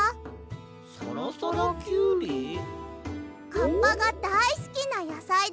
カッパがだいすきなやさいだよ。